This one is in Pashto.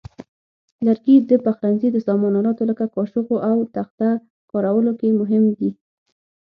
لرګي د پخلنځي د سامان آلاتو لکه کاشوغو او تخته کارولو کې مهم دي.